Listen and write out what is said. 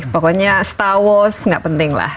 pokoknya star wars nggak penting lah